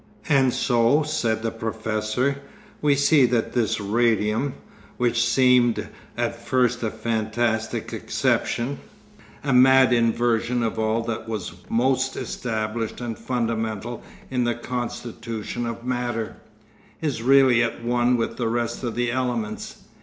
'And so,' said the professor, 'we see that this Radium, which seemed at first a fantastic exception, a mad inversion of all that was most established and fundamental in the constitution of matter, is really at one with the rest of the elements.